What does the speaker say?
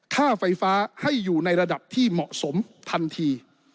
ค่าไฟฟ้าให้อยู่ในระดับที่เหมาะสมทันที